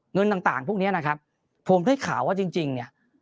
เงินต่างพวกนี้นะครับผมได้ข่าวว่าจริงเนี่ย